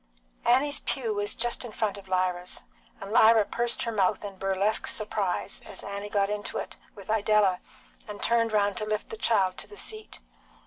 Annie's pew was just in front of Lyra's, and Lyra pursed her mouth in burlesque surprise as Annie got into it with Idella and turned round to lift the child to the seat.